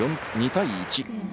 ２対１。